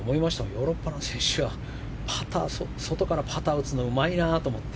ヨーロッパの選手は外からパターを打つのがうまいなあと思って。